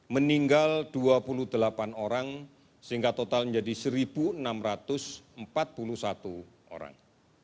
meninggal dua puluh delapan orang sehingga total menjadi satu enam ratus empat puluh satu orang